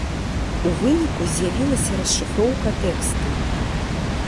У выніку з'явілася расшыфроўка тэксту.